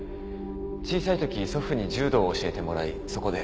小さいとき祖父に柔道を教えてもらいそこで。